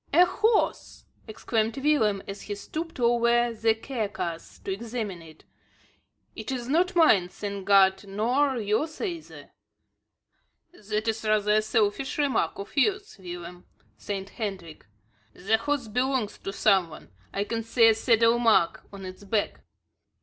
"A horse!" exclaimed Willem as he stooped over the carcass to examine it. "It is not mine, thank God, nor yours neither." "That is rather a selfish remark of yours, Willem," said Hendrik. "The horse belongs to some one. I can see a saddle mark on its back."